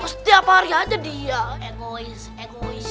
setiap hari aja dia egois